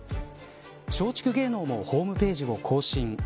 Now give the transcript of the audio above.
松竹芸能もホームページを更新。